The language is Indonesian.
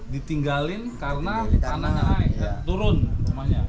ditinggalin karena tanah tanah air turun rumahnya